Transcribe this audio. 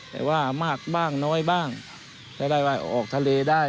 แต่ว่ามากบ้างน้อยบ้างรายได้ว่าออกทะเลได้